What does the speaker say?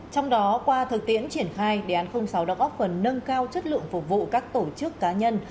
trong đó qua thực tiễn triển khai đề án sáu đã góp phần nâng cao chất lượng phục vụ các tổ chức cá nhân